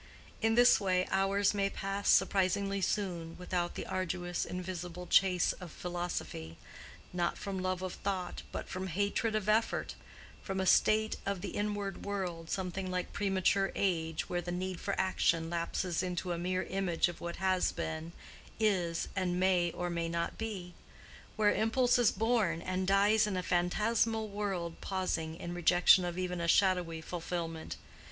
In this way hours may pass surprisingly soon, without the arduous invisible chase of philosophy; not from love of thought, but from hatred of effort—from a state of the inward world, something like premature age, where the need for action lapses into a mere image of what has been, is, and may or might be; where impulse is born and dies in a phantasmal world, pausing in rejection of even a shadowy fulfillment.